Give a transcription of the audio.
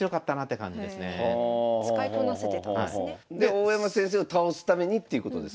大山先生を倒すためにっていうことですね。